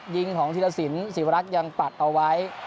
ยิงของธีรสินศรีวรักษ์ยังปัดเอาไว้